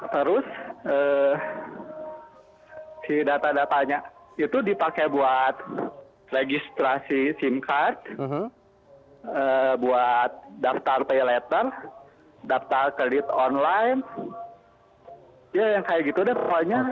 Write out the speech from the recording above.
terus si data datanya itu dipakai buat registrasi sim card buat daftar pay letter daftar kredit online ya yang kayak gitu deh pokoknya